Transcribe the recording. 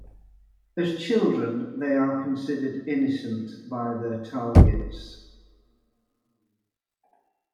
As children, they are considered innocent by their targets.